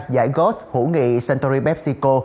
giải gót hữu nghị century pepsico